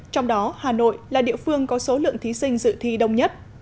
trong đó hà nội là địa phương có số lượng thí sinh dự thi đông nhất